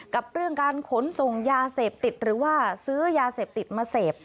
กับเรื่องการขนส่งยาเสพติดหรือว่าซื้อยาเสพติดมาเสพ